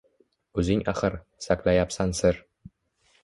O’zing axir, saqlayapsan sir